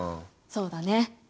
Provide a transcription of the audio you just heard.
そうだね。